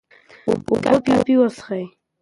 اوبه کافي وڅښئ.